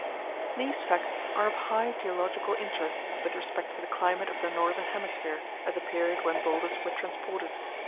These facts are of high geological interest with respect to the climate of the northern hemisphere at the period when boulders were transported.